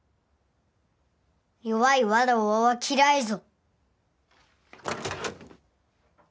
弱いわらわは嫌いぞ。